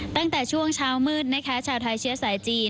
ตั้งแต่ช่วงเช้ามืดนะคะชาวไทยเชื้อสายจีน